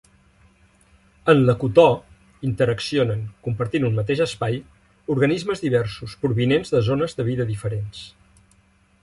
En l'ecotò, interaccionen -compartint un mateix espai- organismes diversos, provinents de zones de vida diferents.